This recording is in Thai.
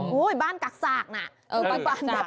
โอ้โฮบ้านกักสากน่ะ